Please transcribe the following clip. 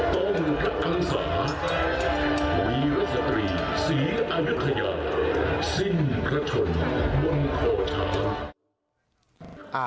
ต้องกลับทั้งสาวีรกษัตริย์ศรีอัยกษัยาสิ้นพระทนมนต์โคทา